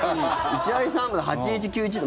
１割３分８−１、９−１。